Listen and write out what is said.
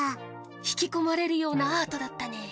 引き込まれるようなアートだったね